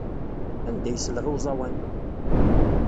Anda ay selleɣ i uẓawan?